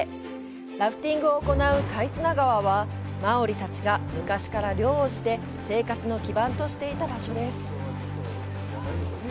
ラフティングを行う「カイツナ川」はマオリたちが昔から漁をして生活の基盤としていた場所です。